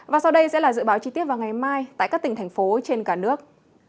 và sau đây sẽ là dự báo chi tiết vào ngày mai tại các tỉnh thành phố trên cả nước